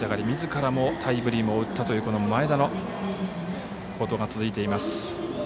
みずからもタイムリーを打ったという前田の好投が続いています。